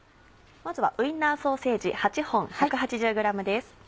まずはウインナーソーセージ８本１８０ｇです。